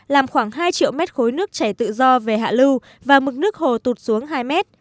làm khoảng hai triệu mét khối nước chảy tự do về hạ lưu và mực nước hồ tụt xuống hai mét